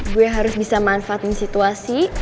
gue harus bisa manfaatin situasi